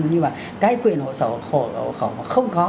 nhưng mà cái quyền hộ sổ hộ khẩu mà không có